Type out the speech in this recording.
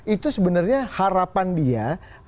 itu sebenarnya harapan dia